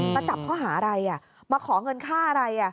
มาจับข้อหาอะไรมาขอเงินค่าอะไร